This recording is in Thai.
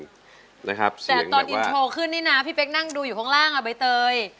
ตอนอินโชว์ขึ้นนี่นะพี่เป็กนั่งดูอยู่ข้างล่างนะบ๊ายเตย